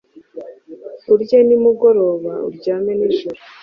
urye nimugoroba, uryame nijoro.